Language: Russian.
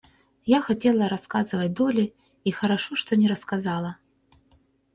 Я хотела рассказывать Долли и хорошо, что не рассказала.